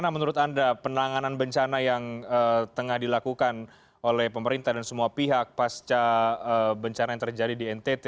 peringatan dari pmkg terkait